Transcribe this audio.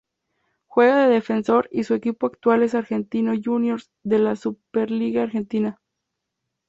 Juega de defensor y su equipo actual es Argentinos Juniors, de la Superliga Argentina.